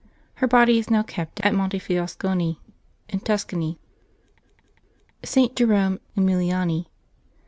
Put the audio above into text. Her body is now kept at Monte Fiascone in Tuscany. ST. JEROME EMILIANI.